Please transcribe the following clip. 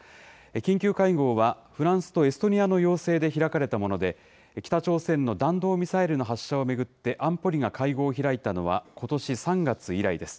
緊急会合は、フランスとエストニアの要請で開かれたもので、北朝鮮の弾道ミサイルの発射を巡って、安保理が会合を開いたのは、ことし３月以来です。